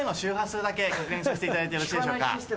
させていただいてよろしいでしょうか？